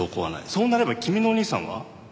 そうなれば君のお兄さんは？